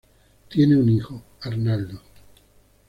Tiene un hijo, Arnaldo.